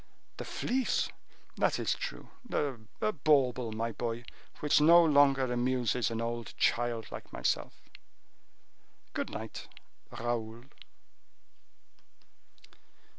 "The Fleece!—that is true. A bauble, my boy, which no longer amuses an old child like myself. Good night, Raoul!"